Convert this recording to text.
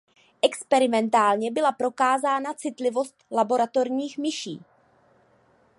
Experimetnálně byla prokázána citlivost laboratorních myší.